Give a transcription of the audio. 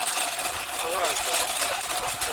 Tɣab.